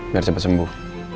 biar cepet sembuh